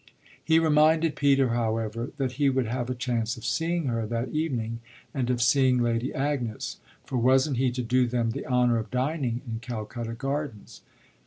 He reminded Peter, however, that he would have a chance of seeing her that evening, and of seeing Lady Agnes; for wasn't he to do them the honour of dining in Calcutta Gardens?